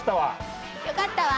よかったわ。